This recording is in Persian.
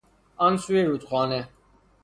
آن سوی رودخانه